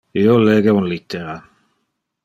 Io lege un littera.